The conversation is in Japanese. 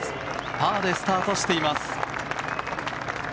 パーでスタートしています。